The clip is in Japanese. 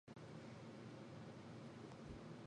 感覚は個別的で特殊ですが、概念は一般的で普遍的です。